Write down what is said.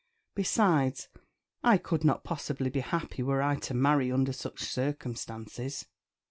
Besides, I could not possibly be happy were I to marry under such circumstances."